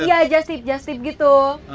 iya just tip gitu